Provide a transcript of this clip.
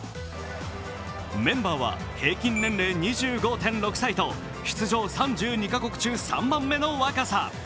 メンバーは平均年齢２５．６歳と出場３２か国中、３番目の若さ。